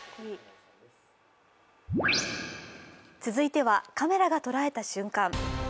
続いてはカメラが捉えた瞬間。